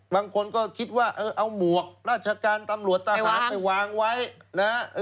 บางคนก็คิดว่าเออเอาหมวกราชการตำรวจทหารไปวางไว้นะฮะ